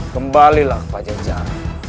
kembalilah ke pajajaran